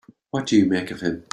What do you make of him?